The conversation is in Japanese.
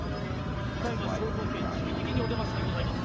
ただ今将軍家直々にお出ましにございます。